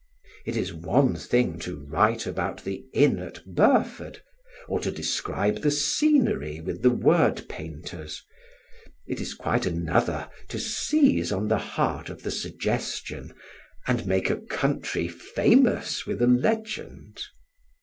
It is one thing to write about the inn at Burford, or to describe scenery with the word painters; it is quite another to seize on the heart of the suggestion and make a country famous with a legend.